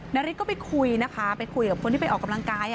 นาริสก็ไปคุยนะคะไปคุยกับคนที่ไปออกกำลังกาย